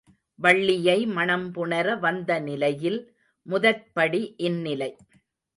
வள்ளியை மணம் புணர வந்த நிலையில் முதற்படி இந்நிலை.